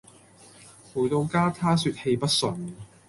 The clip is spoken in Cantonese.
回到家她說氣不順